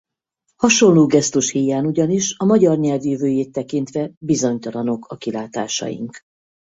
Hasonló gesztus híján ugyanis a magyar nyelv jövőjét tekintve bizonytalanok a kilátásaink.